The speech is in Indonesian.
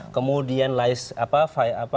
oke misalnya ketika kasus misalnya faisal asgab